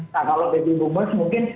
kalau baby boomers mungkin